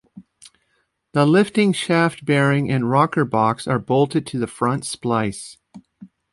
The lifting-shaft bearing and rocker-box are bolted to the front splice.